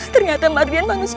ternyata mardian manusia